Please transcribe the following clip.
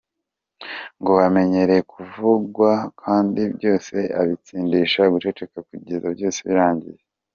Ngo amenyereye kuvugwa kandi byose abitsindisha guceceka kugeza byose birangiye.